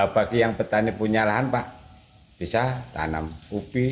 bagi yang petani punya lahan pak bisa tanam ubi